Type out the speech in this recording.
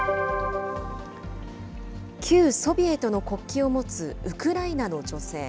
旧ソビエトの国旗を持つウクライナの女性。